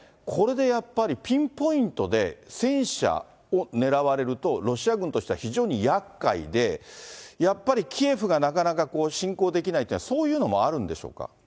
これでやっぱりピンポイントで戦車を狙われると、ロシア軍としては非常にやっかいで、やっぱりキエフがなかなかこう、侵攻できないというのは、そういうのもあるんでしょうか？